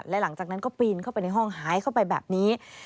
และหลังจากนั้นก็ปีนเข้าไปในห้องหายเข้าไปแบบนี้